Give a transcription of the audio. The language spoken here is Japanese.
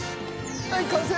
はい完成！